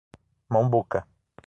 Mombuca